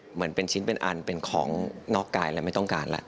เหมือนเป็นชิ้นเป็นอันเป็นของนอกกายแล้วไม่ต้องการแล้ว